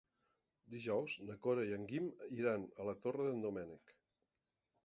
Dijous na Cora i en Guim iran a la Torre d'en Doménec.